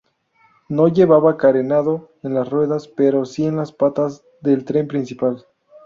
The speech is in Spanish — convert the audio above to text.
No llevaba carenado en las ruedas pero sí en las patas del tren principal.